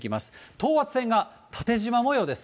等圧線が縦じま模様です。